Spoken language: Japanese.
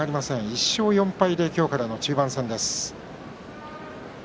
１勝４敗で今日からの中盤戦です。